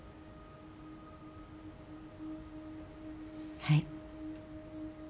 はい。